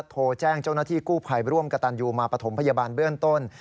โทรแจ้งเจ้าหน้าที่กู้ภัยร่วมกับตันยูมาปฐมพยาบาลเบื้องต้น